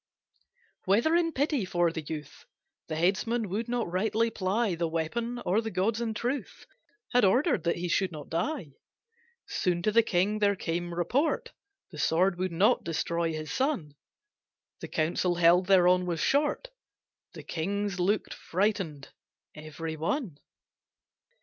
Whether in pity for the youth, The headsman would not rightly ply The weapon, or the gods in truth Had ordered that he should not die, Soon to the king there came report The sword would not destroy his son, The council held thereon was short, The king's look frightened every one.